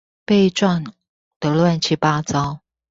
被撞的亂七八糟